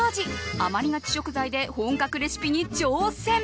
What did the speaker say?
余りがち食材で本格レシピに挑戦。